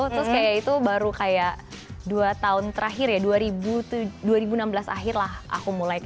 terus kayak itu baru kayak dua tahun terakhir ya dua ribu enam belas akhir lah aku mulai